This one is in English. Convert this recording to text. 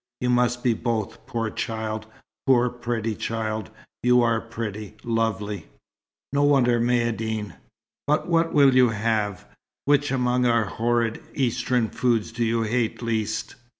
You must be both, poor child poor, pretty child! You are pretty lovely. No wonder Maïeddine but what will you have. Which among our horrid Eastern foods do you hate least?"